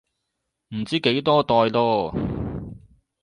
唔知幾多代囉